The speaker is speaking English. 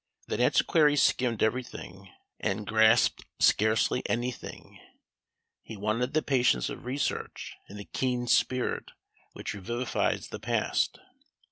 That antiquary skimmed everything, and grasped scarcely anything; he wanted the patience of research, and the keen spirit which revivifies the past.